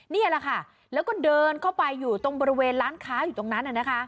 นี่แหละค่ะแล้วก็เดินเข้าไปอยู่ตรงบริเวณร้านค้าอยู่ตรงนั้น